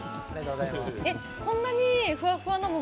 こんなにふわふわな桃